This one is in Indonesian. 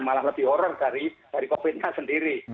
malah lebih horror dari covid nya sendiri